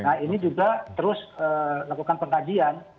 nah ini juga terus lakukan pengkajian